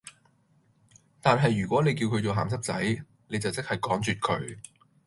但系如果你叫佢做鹹濕仔，你就即係趕絕佢